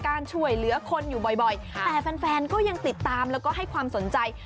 การช่วยเหลือคนอยู่บ่อยแต่แฟนก็ยังติดตามแล้วก็ให้ความสนใจ